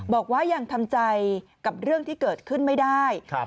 บอกว่ายังทำใจกับเรื่องที่เกิดขึ้นไม่ได้